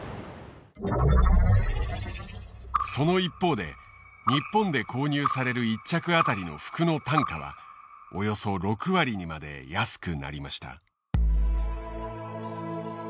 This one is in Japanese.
その一方で日本で購入される一着当たりの服の単価はおよそ６割にまで安くなりました。